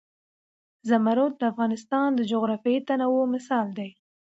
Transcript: زمرد د افغانستان د جغرافیوي تنوع مثال دی.